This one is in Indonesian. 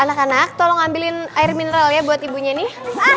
anak anak tolong ngambilin air mineral ya buat ibunya nih